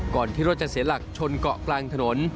ที่รถจะเสียหลักชนเกาะกลางถนน